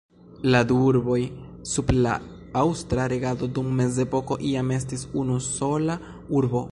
La du urboj sub la aŭstra regado dum mezepoko iam estis unu sola urbo.